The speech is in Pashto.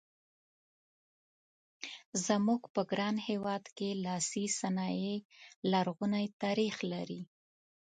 زموږ په ګران هېواد کې لاسي صنایع لرغونی تاریخ لري.